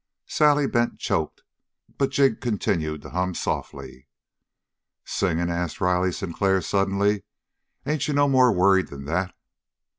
Sally Bent choked, but Jig continued to hum softly. "Singin'?" asked Riley Sinclair suddenly. "Ain't you no more worried than that?"